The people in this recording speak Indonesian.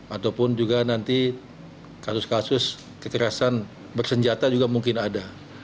ataupun juga nanti kasus kasus kekerasan bersenjata juga mungkin ada